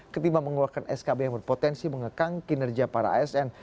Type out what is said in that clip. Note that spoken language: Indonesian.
ketimbang mengeluarkan skb yang berpotensi mengekang kinerja para asn